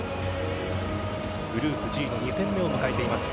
グループＧの２戦目を迎えています。